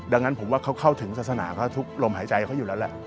ดังนั้นผมว่าเขาเข้าถึงศาสนาเขาทุกลมหายใจเขาอยู่แล้วแหละ